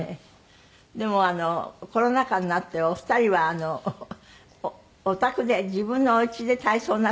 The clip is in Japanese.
でもあのコロナ禍になってお二人はお宅で自分のおうちで体操なさってるんですって？